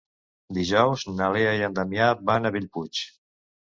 Dijous na Lea i en Damià van a Bellpuig.